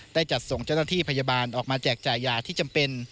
ได้จัดส่งเจ้าหน้าที่พยาบาลออกมาแจกจ่ายยาที่จำเป็น